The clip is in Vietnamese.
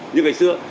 như ngày xưa